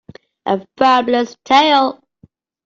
A Fabulous tale.